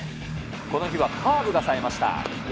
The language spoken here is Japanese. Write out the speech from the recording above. この日はカーブがさえました。